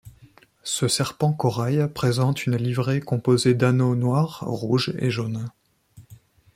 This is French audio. Ce serpent corail présente une livrée composée d'anneaux noirs, rouges et jaunes.